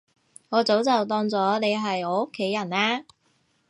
我早就當咗你係我屋企人喇